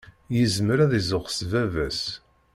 Yezmer ad izuxx s baba-s.